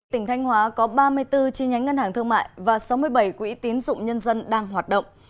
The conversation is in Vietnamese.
tỉnh thanh hóa có ba mươi bốn chi nhánh ngân hàng thương mại và sáu mươi bảy quỹ tín dụng nhân dân đang hoạt động